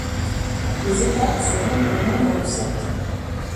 Les étapes seront au nombre de sept.